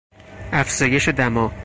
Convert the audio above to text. افزایش دما